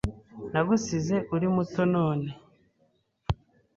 Nagusize uri muto none